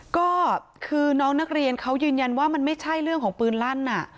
ก็คือน้องนักเรียนเขายืนยันว่ามันไม่ใช่เรื่องของปืนลั่น